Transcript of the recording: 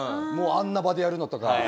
もうあんな場でやるのとか。